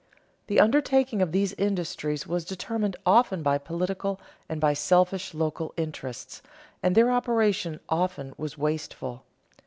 The undertaking of these industries was determined often by political and by selfish local interests, and their operation often was wasteful.